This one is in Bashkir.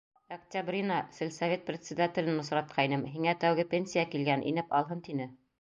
Октябрина, сельсовет председателен осратҡайным, һиңә тәүге пенсия килгән, инеп алһын, тине.